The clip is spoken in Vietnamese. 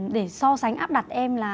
để so sánh áp đặt em là